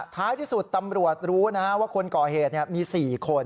ท้ายที่สุดตำรวจรู้ว่าคนก่อเหตุมี๔คน